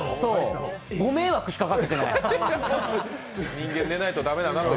ご迷惑しかかけてない。